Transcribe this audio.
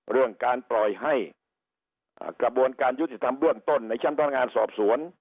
เรื่องการปล่อยให้กระบวนการยุติธรรมเบื้องต้นในชั้นพนักงานสอบสวน